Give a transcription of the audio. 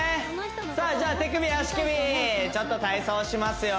さあじゃ手首足首ちょっと体操しますよ